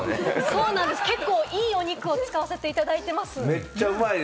そうなんです、結構いいお肉を使わせていただいています。